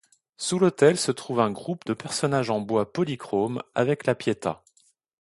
Sous l'autel se trouve un groupe de personnages en bois polychrome avec la Pietà.